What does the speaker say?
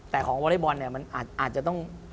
แต่ของวอลเลเบอร์มันอาจจะต้อง